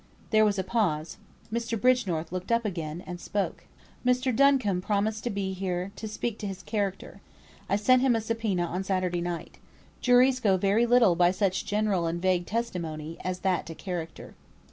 There was a pause. Mr. Bridgenorth looked up again, and spoke. "Mr. Duncombe promised to be here to speak to his character. I sent him a subpoena on Saturday night. Though after all, juries go very little by such general and vague testimony as that to character.